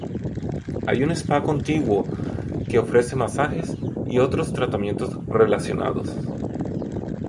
Hay una Spa contiguo que ofrecen masajes y otros tratamientos relacionados.